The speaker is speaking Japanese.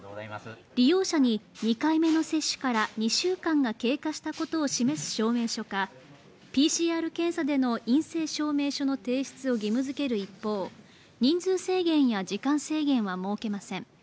利用者に２回目の接種から２週間が経過したことを示す証明書かＰＣＲ検査での陰性証明書の提出を義務づける一方人数制限や時間制限は設けません。